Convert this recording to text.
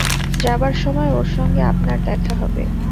যাবার সময় ওর সঙ্গে আপনার দেখা হবে।